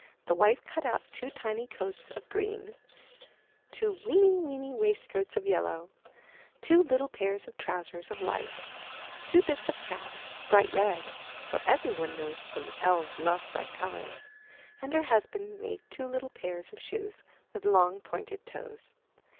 The wife cut out two tiny coats of green, two weeny, weeny waistcoats of yellow, two little pairs of trousers of white, two bits of caps, bright red (for every one knows the elves love bright colors), and her hus band made two little pairs of shoes with long, pointed toes.